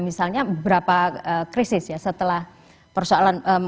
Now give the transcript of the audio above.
misalnya beberapa krisis ya setelah persoalan